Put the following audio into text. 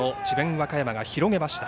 和歌山が広げました。